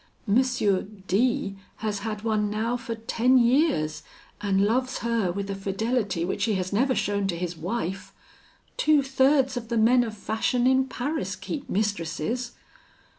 M D has had one now for ten years, and loves her with a fidelity which he has never shown to his wife. Two thirds of the men of fashion in Paris keep mistresses.